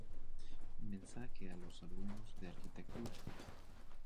Mensaje a los alumnos de arquitectura.